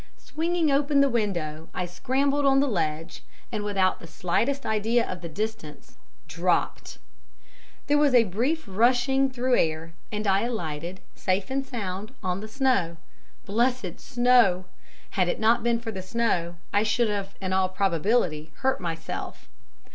Swinging open the window, I scrambled on the ledge, and without the slightest idea of the distance dropped! There was a brief rushing through air and I alighted safe and sound on the snow. Blessed snow! Had it not been for the snow I should in all probability have hurt myself!